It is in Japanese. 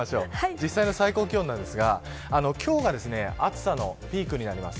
実際の最高気温ですが、今日が暑さのピークになります。